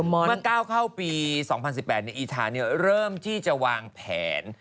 เมื่อก้าวเข้าปี๒๐๑๘อีทาเริ่มที่จะวางแผน